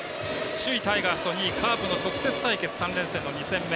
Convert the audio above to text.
首位、タイガースと２位、カープの３連戦の２戦目。